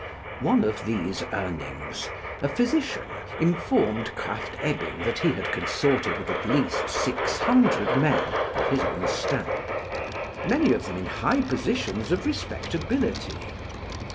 One of these Urnings, a physician, informed Krafft Ebing that he had consorted with at least six hundred men of his own stamp; many of them in high positions of respectability.